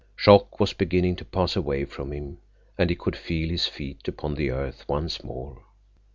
Shock was beginning to pass away from him, and he could feel his feet upon the earth once more.